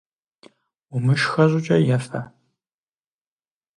Умышхэ щӏыкӏэ ефэ!